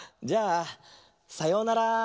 じゃあさようなら。